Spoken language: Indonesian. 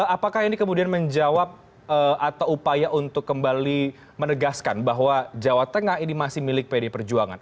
apakah ini kemudian menjawab atau upaya untuk kembali menegaskan bahwa jawa tengah ini masih milik pd perjuangan